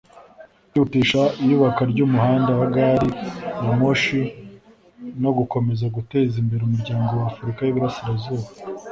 kwihutisha iyubakwa ry’umuhanda wa gali ya moshi no gukomeza guteza imbere Umuryango w’Afurika y’Iburasirazuba